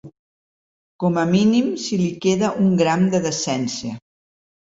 Com a mínim si li queda un gram de decència.